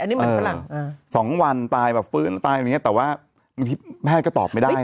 นี่มัน๒วันตายแบบฟื้นตายอย่างนี้แต่ว่าแม่ก็ตอบไม่ได้